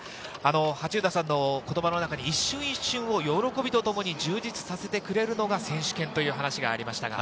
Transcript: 羽中田さんの言葉が中に、一瞬一瞬を喜びとともに充実させてくれるのが選手権という話がありました。